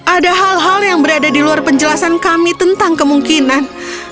ada hal hal yang berada di luar penjelasan kami tentang kemungkinan